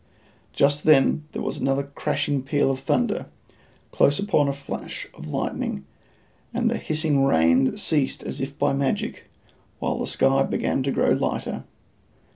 Just then there was another crashing peal of thunder, close upon a flash of lightning, and the hissing rain ceased as if by magic, while the sky began to grow lighter.